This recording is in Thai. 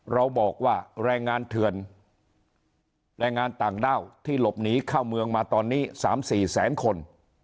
เราบอกว่าแรงงานเถื่อนแรงงานต่างด้าวที่หลบหนีเข้าเมืองมาตอนนี้๓๔แสนคน